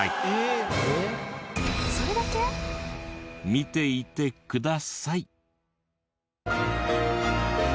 見ていてください。